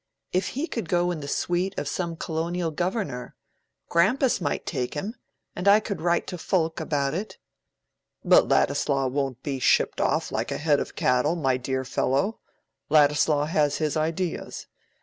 If he could go in the suite of some Colonial Governor! Grampus might take him—and I could write to Fulke about it." "But Ladislaw won't be shipped off like a head of cattle, my dear fellow; Ladislaw has his ideas.